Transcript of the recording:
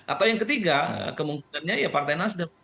atau yang ketiga kemungkinannya ya partai nasdem